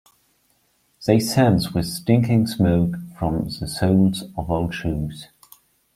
They cense with stinking smoke from the soles of old shoes.